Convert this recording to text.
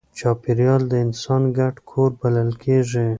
چاپېریال د انسان ګډ کور بلل کېږي.